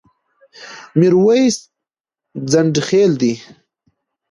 ميرويس ځنډيخيل ډه